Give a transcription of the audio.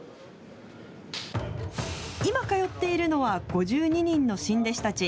今通っているのは、５２人の新弟子たち。